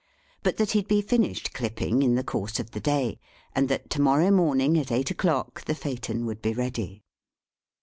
But that he'd be finished clipping in the course of the day, and that to morrow morning at eight o'clock the pheayton would be ready.